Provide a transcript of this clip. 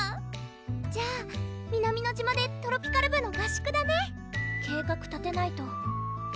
じゃあ南乃島でトロピカる部の合宿だね計画立てないとうん！